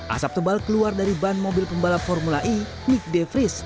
asap tebal keluar dari ban mobil pembalap formula e nick de vries